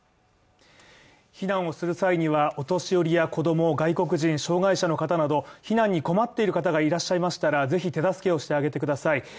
避難をする際には、お年寄りや子供外国人障害者の方など、避難に困っている方がいらっしゃいましたらぜひ手助けをしてあげてください。